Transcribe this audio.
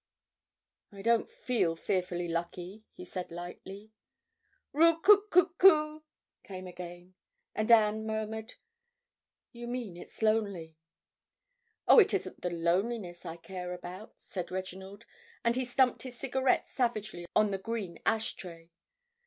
"I don't feel fearfully lucky," he said lightly. "Roo coo coo coo," came again. And Anne murmured, "You mean it's lonely." "Oh, it isn't the loneliness I care about," said Reginald, and he stumped his cigarette savagely on the green ash tray.